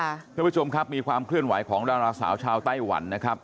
คุณผู้ชมครับมีความเคลื่อนไหวของดาราสาวชาวไต้หวันนะครับ